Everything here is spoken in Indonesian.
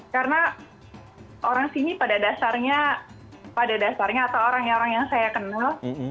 karena orang sini pada dasarnya atau orang orang yang saya kenal